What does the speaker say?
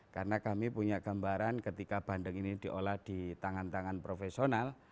karena kami punya gambaran ketika bandeng ini diolah di tangan tangan profesional